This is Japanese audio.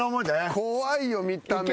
怖いよ見た目。